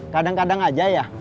kadang kadang aja ya